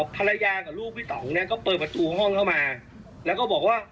ภรรยากับลูกพี่ต่องเนี่ยก็เปิดประตูห้องเข้ามาแล้วก็บอกว่า